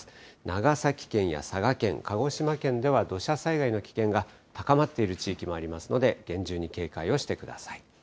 長崎県や佐賀県、鹿児島県では土砂災害の危険が高まっている地域もありますので、厳重に警戒をしてください。